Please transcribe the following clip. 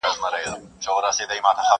خپل استازی یې ورواستاوه خزدکه!!